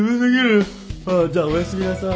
あっじゃあおやすみなさい。